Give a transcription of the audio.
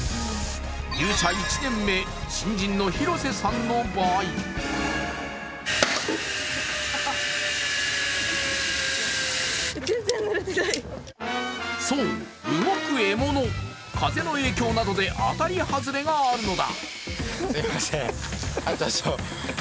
入社１年目、新人の廣瀬さんの場合そう、動く獲物風の影響などで当たり外れがあるのだ。